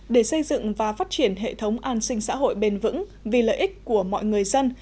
để xây dựng và phát triển hệ thống an sinh xã hội bền vững vì lợi ích của mọi người dân